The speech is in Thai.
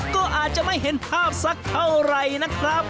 ก็อาจจะไม่เห็นภาพสักเท่าไหร่นะครับ